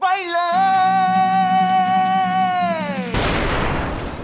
ไปเลย